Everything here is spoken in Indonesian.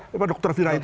eh apa dr vira itu